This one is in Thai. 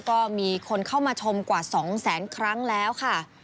ก็มีคนเข้ามาชมกว่า๒แสนครั้งแล้วค่ะ